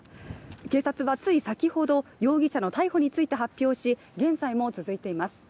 警察はつい先ほど、容疑者の逮捕について発表し、現在も続いています。